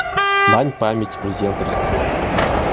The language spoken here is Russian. Дань памяти президента Республики.